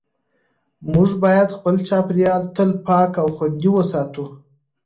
موږ باید خپل چاپېریال تل پاک او خوندي وساتو